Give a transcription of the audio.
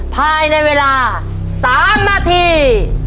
ภายในเวลา๓นาที